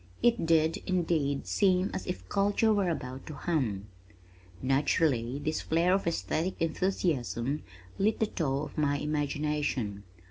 It did, indeed seem as if culture were about to hum. Naturally this flare of esthetic enthusiasm lit the tow of my imagination.